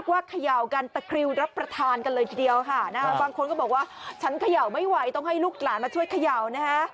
ค่ะบางคนก็บอกว่าฉันเขย่าไม่ไหวต้องให้ลูกหลานมาช่วยเขย่านะคะ